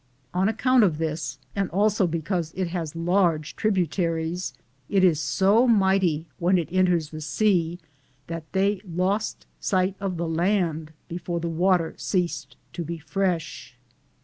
On account of this, and also because it has large tributaries, it is so mighty when it enters the sea that they lost sight of the land before the water ceased to be fresh.